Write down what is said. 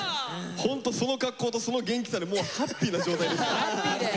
ホントその格好とその元気さでもうハッピーな状態ですよ。